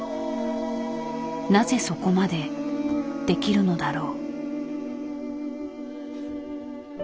なぜそこまでできるのだろう。